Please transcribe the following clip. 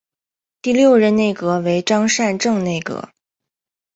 第六任内阁为张善政内阁。